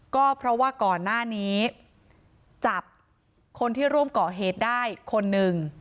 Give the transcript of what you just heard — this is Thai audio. ก็เพราะว่าก่อนหน้านี้จับคนที่ร่วมก่อเหตุได้คนหนึ่ง